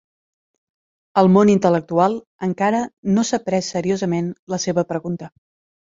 El món intel·lectual encara no s'ha pres seriosament la seva pregunta.